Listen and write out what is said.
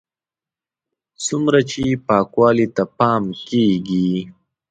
څومره چې پاکوالي ته پام کېږي.